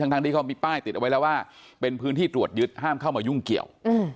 ทั้งที่เขามีป้ายติดเอาไว้แล้วว่าเป็นพื้นที่ตรวจยึดห้ามเข้ามายุ่งเกี่ยว